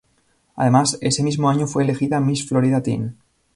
Además, ese mismo año fue elegida "Miss Florida Teen".